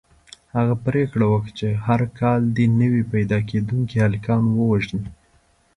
هغه پرېکړه وکړه چې هر کال دې نوي پیدا کېدونکي هلکان ووژني.